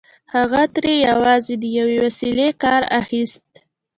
هغه ترې یوازې د یوې وسيلې کار اخيست